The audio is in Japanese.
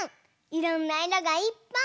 いろんないろがいっぱい！